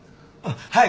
はい。